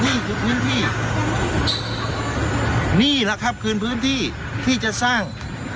นี่คือพื้นที่นี่แหละครับคือพื้นที่ที่จะสร้าง